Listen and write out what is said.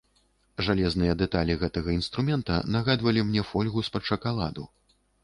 Жалезныя дэталі гэтага інструмента нагадвалі мне фольгу з-пад шакаладу.